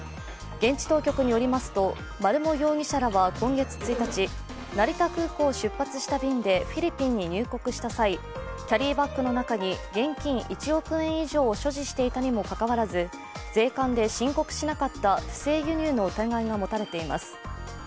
現地当局によりますと、丸茂容疑者らは今月１日、成田空港を出発した便でフィリピンに入国した際、キャリーバッグの中に現金１億円以上を所持していたにもかかわらず税関で申告しなかった不正輸入の疑いが持たれています。